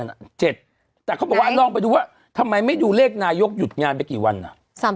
แต่เขาบอกว่าลองไปดูว่าทำไมไม่ดูเลขนายกหยุดงานไปกี่วันอ่ะ